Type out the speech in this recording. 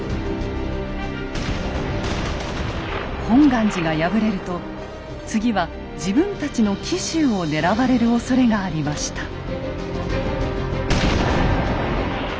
本願寺が敗れると次は自分たちの紀州を狙われるおそれがありました。